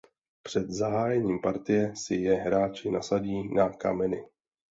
Před zahájením partie si je hráči nasadí na kameny.